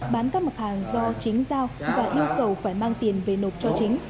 bán các mặt hàng do chính giao và yêu cầu phải mang tiền về nộp cho chính